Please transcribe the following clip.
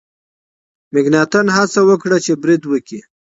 مکناتن هڅه وکړه چې برید وکړي.